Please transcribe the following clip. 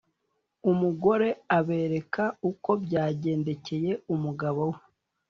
umugore abereka uko byagendekeye umugabo we,